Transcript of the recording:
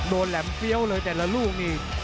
แหลมเฟี้ยวเลยแต่ละลูกนี่